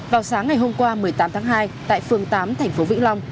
vào sáng ngày hôm qua một mươi tám tháng hai tại phường tám tp vĩnh long